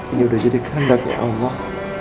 ini udah jadi kehendaknya allah